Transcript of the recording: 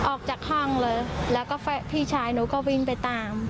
ออกจากห้องเลยแล้วก็พี่ชายหนูก็วิ่งไปตาม